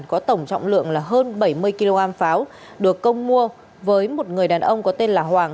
có tổng trọng lượng là hơn bảy mươi kg pháo được công mua với một người đàn ông có tên là hoàng